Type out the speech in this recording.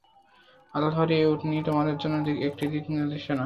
আল্লাহর এ উটনী তোমাদের জন্যে একটি নিদর্শন।